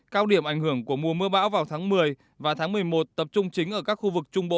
cao điểm ảnh hưởng của mùa mưa bão vào tháng một mươi và tháng một mươi một tập trung chính ở các khu vực trung bộ